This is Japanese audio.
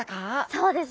そうですね。